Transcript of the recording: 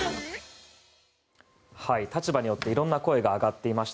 立場によっていろいろな声が上がっていました。